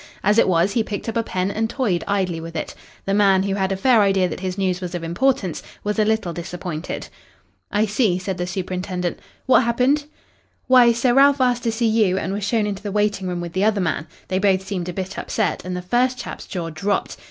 As it was, he picked up a pen and toyed idly with it. The man, who had a fair idea that his news was of importance, was a little disappointed. "I see," said the superintendent. "What happened?" "Why, Sir Ralph asked to see you and was shown into the waiting room with the other man. They both seemed a bit upset, and the first chap's jaw dropped.